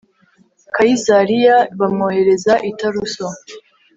kayisariya bamwohereza i taruso